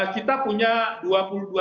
kita punya dua puluh dua ribu warga indonesia